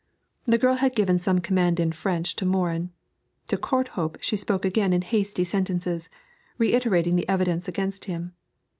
The girl had given some command in French to Morin; to Courthope she spoke again in hasty sentences, reiterating the evidence against him.